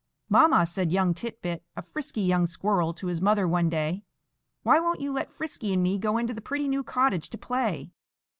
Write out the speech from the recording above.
"Mamma," said young Tit bit, a frisky young squirrel, to his mother one day, "why won't you let Frisky and me go into that pretty new cottage to play?"